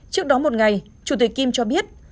trước đó một ngày chủ tịch kim cho biết